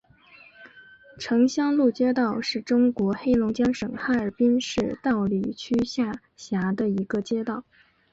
城乡路街道是中国黑龙江省哈尔滨市道里区下辖的一个街道。